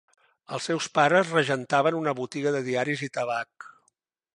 Els seus pares regentaven una botiga de diaris i tabac.